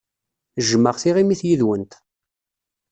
Jjmeɣ tiɣimit yid-went.